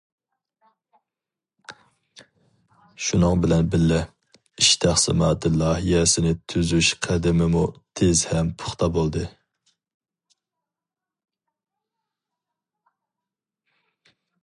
شۇنىڭ بىلەن بىللە، ئىش تەقسىماتى لايىھەسىنى تۈزۈش قەدىمىمۇ تېز ھەم پۇختا بولدى.